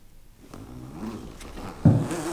生于纯祖三十二年八月二十七日。